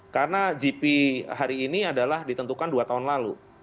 karena gp hari ini adalah ditentukan dua tahun lalu